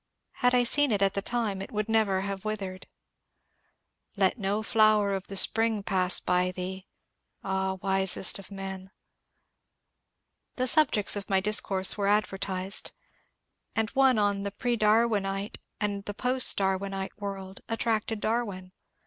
Had I seen it at the time it would never have with V ered. ^^/ J J " Let no flower of the spring pass by thee 1 Ah, wisest A ■ of men 1 The subjects of my discourse were advertised, and one on "The Pre Darwinite and the Post Darwinite World*' at tracted Darwin.